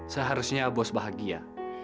seharusnya bos bahagia